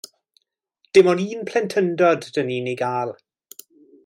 Dim ond un plentyndod 'dan ni'n ei gael.